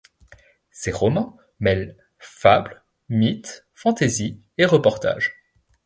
Ses romans mêlent fable, mythe, fantaisie et reportage.